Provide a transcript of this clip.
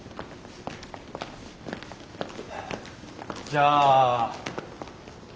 じゃあ。